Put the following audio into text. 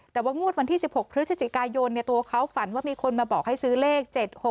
แต่ว่างวดวันที่๑๖พฤศจิกายนตัวเขาฝันว่ามีคนมาบอกให้ซื้อเลข๗๖